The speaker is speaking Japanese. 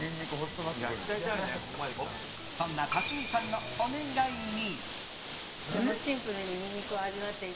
そんな辰巳さんのお願いに。